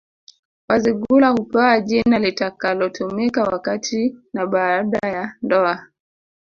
Wazigula hupewa jina litakalotumika wakati na baada ya ndoa